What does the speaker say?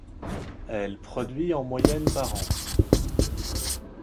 Elle produit en moyenne par an.